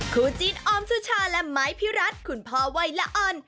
คู่จิ้นออมสุชาและไมค์พิวรัฐคุณพ่อไวยละอ่อน